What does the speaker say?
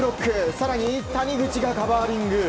更に、谷口がカバーリング。